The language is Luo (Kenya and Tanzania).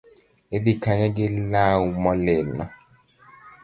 Idhi kanye gi law molil no